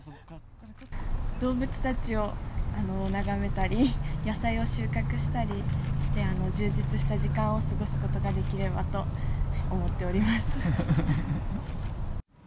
動物たちを眺めたり、野菜を収穫したりして、充実した時間を過ごすことができればと思っております。